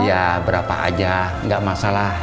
ya berapa aja nggak masalah